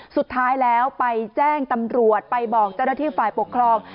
สุดท้ายแล้วไปแจ้งตำรวจไปบอกเจ้าหน้าที่ฝ่ายปกครอง